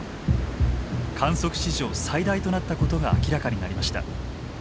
観測史上最大となったことが明らかになりました。